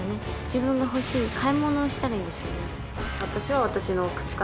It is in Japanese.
自分が欲しい買い物をしたらいいんですよね